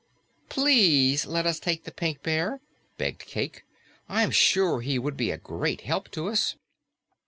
"PLEASE let us take the Pink Bear," begged Cayke. "I'm sure he would be a great help to us."